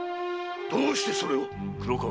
どうしてそれを⁉黒川